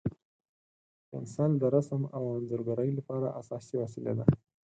پنسل د رسم او انځورګرۍ لپاره اساسي وسیله ده.